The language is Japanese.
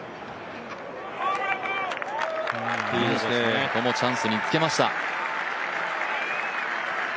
ここもチャンスにつけました。